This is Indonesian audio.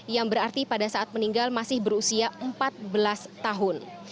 yang berarti pada saat meninggal masih berusia empat belas tahun